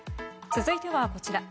続いてはこちら。